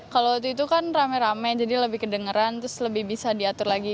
kalau waktu itu kan rame rame jadi lebih kedengeran terus lebih bisa diatur lagi